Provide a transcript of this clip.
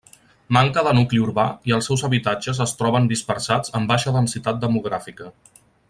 Manca de nucli urbà i els seus habitatges es troben dispersats amb baixa densitat demogràfica.